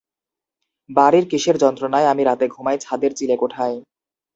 বাড়ির কিসের যন্ত্রণায় আমি রাতে ঘুমাই ছাদের চিলেকোঠায়?